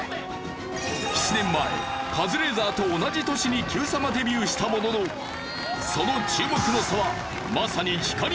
７年前カズレーザーと同じ年に『Ｑさま！！』デビューしたもののその注目の差はまさに光と影。